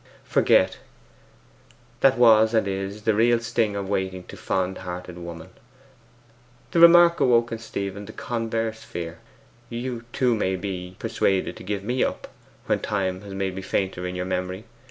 Forget: that was, and is, the real sting of waiting to fond hearted woman. The remark awoke in Stephen the converse fear. 'You, too, may be persuaded to give me up, when time has made me fainter in your memory.